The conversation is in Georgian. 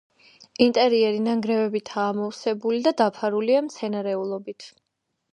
ინტერიერი ნანგრევებითაა ამოვსებული და დაფარულია მცენარეულობით.